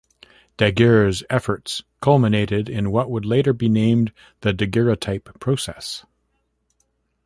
Daguerre's efforts culminated in what would later be named the daguerreotype process.